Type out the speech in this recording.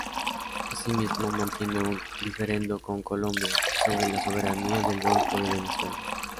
Asimismo, mantiene un diferendo con Colombia sobre la soberanía del golfo de Venezuela.